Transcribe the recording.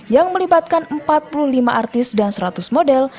yang melibatkan empat puluh lima artis dan seratus model